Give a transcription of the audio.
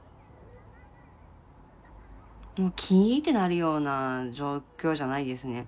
もうキーッてなるような状況じゃないですね。